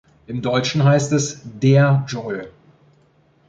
Im Deutschen heißt es "der" Dschungel.